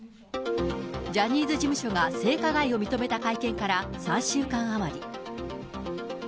ジャニーズ事務所が性加害を認めた会見から３週間余り。